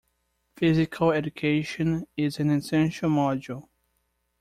Physical Education is an essential module.